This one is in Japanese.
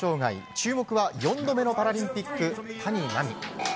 注目は、４度目のパラリンピックの谷真海。